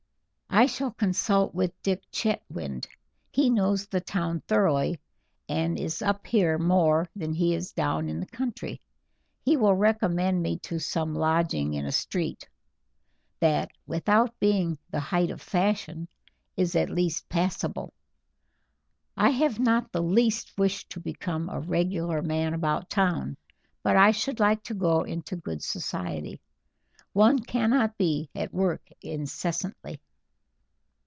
"I shall consult with Dick Chetwynd; he knows the town thoroughly, and is more up here than he is down in the country; he will recommend me to some lodging in a street that, without being the height of fashion, is at least passable. I have not the least wish to become a regular man about town, but I should like to go into good society. One cannot be at work incessantly."